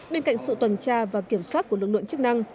bên cạnh sự tuần tra và kiểm soát của lực lượng chức năng